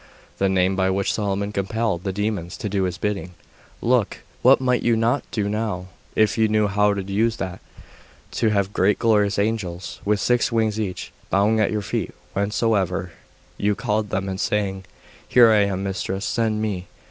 The name by which Solomon compelled the demons to do his bidding. Look! What might you not do now, if you knew how to use that! To have great glorious angels, with six wings each, bowing at your feet whensoever you called them, and saying, "Here am I, mistress; send me."